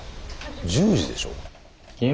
１０時でしょ？